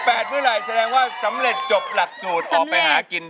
แบบเมื่อไหร่แสดงว่าสำเร็จจบหลักศูนย์ออกไปหากินได้ทันที